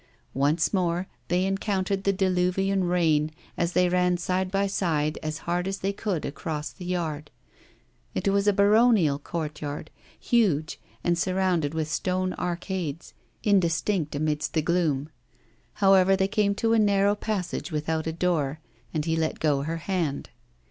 Once more they encountered the diluvian rain, as they ran side by side as hard as they could across the yard. It was a baronial courtyard, huge, and surrounded with stone arcades, indistinct amidst the gloom. However, they came to a narrow passage without a door, and he let go her hand.